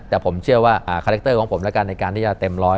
แต่ผมเชื่อว่าคาแรคเตอร์ของผมแล้วกันในการที่จะเต็มร้อย